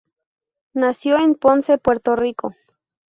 Nació en Ponce, Puerto Rico.